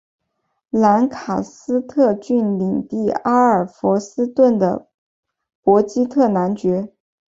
兰卡斯特郡领地阿尔弗斯顿的伯基特男爵。